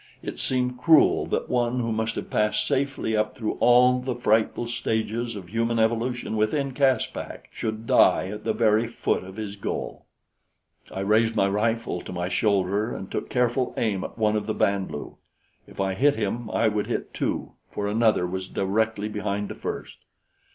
It seemed cruel that one who must have passed safely up through all the frightful stages of human evolution within Caspak, should die at the very foot of his goal. I raised my rifle to my shoulder and took careful aim at one of the Band lu. If I hit him, I would hit two, for another was directly behind the first.